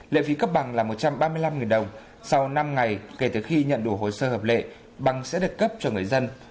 lệ phí cấp bằng là một trăm ba mươi năm đồng sau năm ngày kể từ khi nhận đủ hồ sơ hợp lệ bằng sẽ được cấp cho người dân